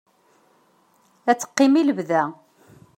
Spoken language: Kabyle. Ad teqqim i lebda.